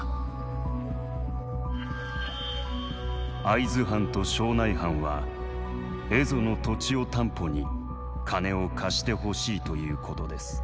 「会津藩と庄内藩は蝦夷の土地を担保に金を貸してほしいということです」。